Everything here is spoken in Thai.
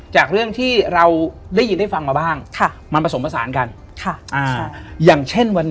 จากเรื่องที่เราได้ยินได้ฟังมาบ้าง